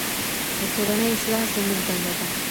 د ټولني اصلاح زموږ دنده ده.